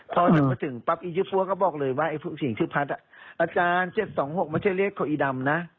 พอถึงปั๊บยี่ปั๊วก็บอกเลยว่าไอ้ผู้ชิงชื่อพัดอ่ะอาจารย์เจ็ดสองหกไม่ใช่เลขของอีดำนะ